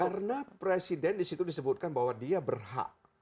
karena presiden disitu disebutkan bahwa dia berhak